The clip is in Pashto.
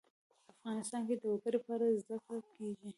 افغانستان کې د وګړي په اړه زده کړه کېږي.